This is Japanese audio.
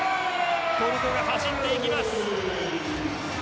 トルコが走っていきます。